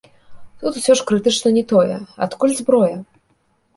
Тут усё ж крытычна не тое, адкуль зброя.